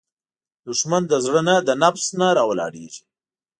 دښمن د زړه نه، د نفس نه راولاړیږي